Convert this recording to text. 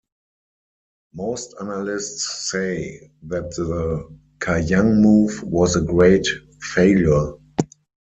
Most analysts say that the Kajang Move was a great failure.